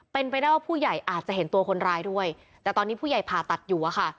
เป็นไปได้ว่าผู้ใหญ่อาจจะเห็นตัวคนร้ายด้วยแต่ตอนนี้ผู้ใหญ่ผ่าตัดอยู่อะค่ะ